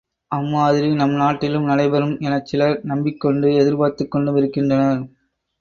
அம்மாதிரி நம் நாட்டிலும் நடைபெறும் எனச் சிலர் நம்பிக் கொண்டும் எதிர்பார்த்துக்கொண்டும் இருக்கின்றனர்.